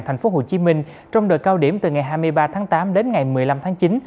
tp hcm trong đời cao điểm từ ngày hai mươi ba tháng tám đến ngày một mươi năm tháng chín